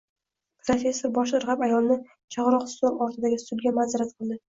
Professor bosh irg`ab ayolni chog`roq stol ortidagi stulga manzirat qildi